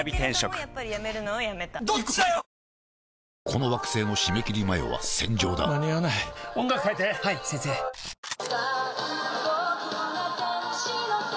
この惑星の締め切り前は戦場だ間に合わない音楽変えて！はいっ！